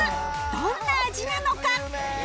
どんな味なのか？